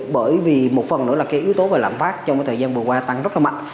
bởi vì một phần nữa là yếu tố làm phát trong thời gian vừa qua tăng rất là mạnh